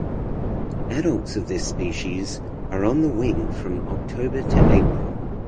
Adults of this species are on the wing from October to April.